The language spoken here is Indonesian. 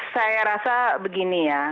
saya rasa begini ya